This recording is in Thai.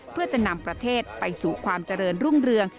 เพื่อจะนำประเทศไปสู่ความเจริญรุ่งเรือง